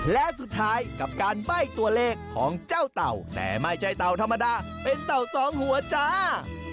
และสุดท้ายกับการใบ้ตัวเลขของเจ้าเต่าแต่ไม่ใช่เต่าธรรมดาเป็นเต่าสองหัวจ้า